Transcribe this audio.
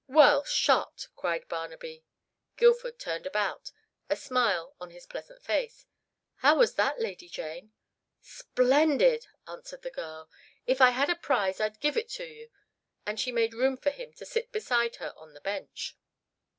"Well shot!" cried Barnaby. Guildford turned about, a smile on his pleasant face. "How was that, Lady Jane?" "Splendid!" answered the girl. "If I had a prize I'd give it to you," and she made room for him to sit beside her on the bench.